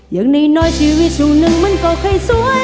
อย่างน้อยชีวิตช่วงหนึ่งมันก็ค่อยสวย